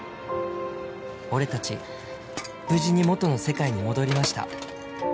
「俺達無事に元の世界に戻りました」